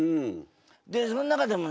でその中でもね